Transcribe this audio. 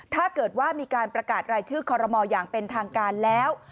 ถ้าเกิดว่ามีการประกาศรายชื่อคอรมอลอย่างเป็นทางการแล้ว